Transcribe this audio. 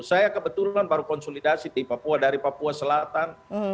saya kebetulan baru konsolidasi di papua dari papua selatan